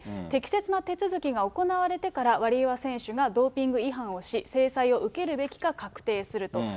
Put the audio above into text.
適切な手続きが行われてからワリエワ選手がドーピング違反をし、制裁を受けるべきか確定すると。